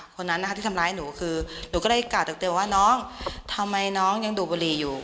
คนนั้นนะคะที่ทำร้ายหนูคือหนูก็ได้กล่าวตักเตือนว่าน้องทำไมน้องยังดูดบุหรี่อยู่